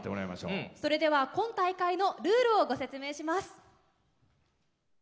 それでは今大会のルールをご説明します。